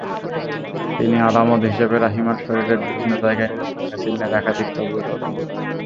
তিনি আলামত হিসেবে রাহিমার শরীরের বিভিন্ন জায়গায় নির্যাতনের চিহ্নের একাধিক ছবিও তোলেন।